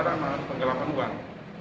ada laporan pengelapan uang